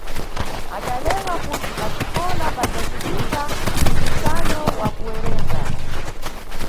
Adalewa kuti paxikola pandzacitika mpikisano wa kuwerenga.